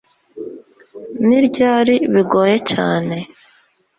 Ni ryari bigoye cyane?